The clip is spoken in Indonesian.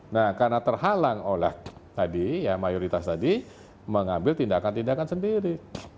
nah karena terhalang oleh tadi ya mayoritas tadi mengambil tindakan tindakan sendiri